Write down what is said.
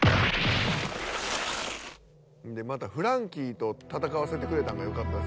またフランキーと戦わせてくれたんがよかった。